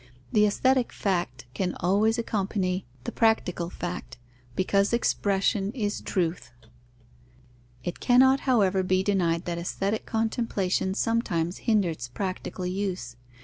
The aesthetic fact can always accompany the practical fact, because expression is truth. It cannot, however, be denied that aesthetic contemplation sometimes hinders practical use.